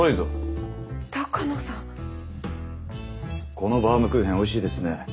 このバームクーヘンおいしいですね。